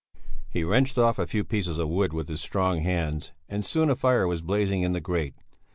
He wrenched off a few pieces of wood with his strong hands and soon a fire was blazing in the grate.